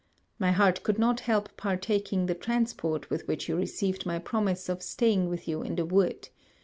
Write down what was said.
My heart could not help partaking the transport with which you received my promise of staying with you in the wood.